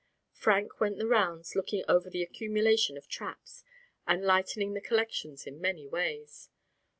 Frank went the rounds, looking over the accumulation of traps, and lightening the collections in many ways.